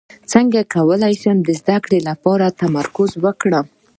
څنګه کولی شم د زده کړې لپاره تمرکز وکړم